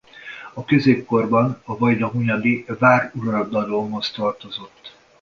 A középkorban a vajdahunyadi váruradalomhoz tartozott.